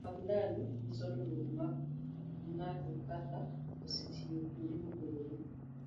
luwruok mag ndalo nyiso dongruok ma ng'atokaka osetiyo kuonde mopogore